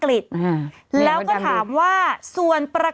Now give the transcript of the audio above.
กรมป้องกันแล้วก็บรรเทาสาธารณภัยนะคะ